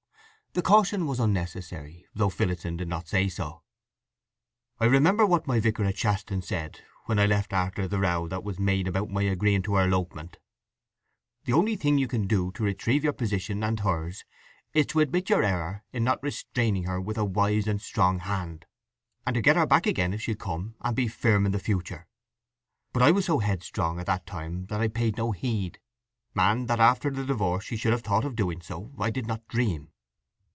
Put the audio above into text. The caution was unnecessary, though Phillotson did not say so. "I remember what my vicar at Shaston said, when I left after the row that was made about my agreeing to her elopement. 'The only thing you can do to retrieve your position and hers is to admit your error in not restraining her with a wise and strong hand, and to get her back again if she'll come, and be firm in the future.' But I was so headstrong at that time that I paid no heed. And that after the divorce she should have thought of doing so I did not dream."